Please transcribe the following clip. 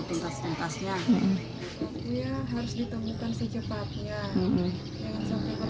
waktunya harus ditemukan secepatnya jangan sampai berlarut larut